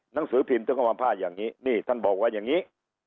หนังสือพิมพ์ถึงเอามาผ้าอย่างนี้นี่ท่านบอกว่าอย่างนี้